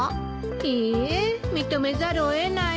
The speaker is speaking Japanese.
いいえ認めざるを得ないわ。